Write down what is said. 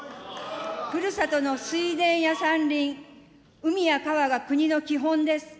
ふるさとの水田や山林、海や川が国の基本です。